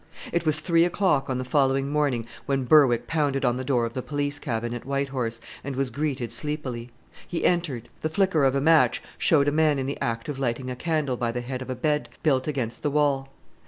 It was three o'clock on the following morning when Berwick pounded on the door of the police cabin at White Horse, and was greeted sleepily. He entered. The flicker of a match showed a man in the act of lighting a candle by the head of a bed built against the wall.